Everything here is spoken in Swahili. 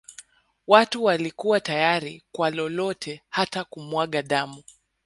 Watu walikuwa tayari kwa lolote hata kumwaga damu